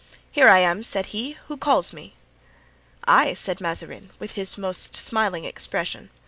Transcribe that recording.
"Here I am," said he. "Who calls me?" "I," said Mazarin, with his most smiling expression.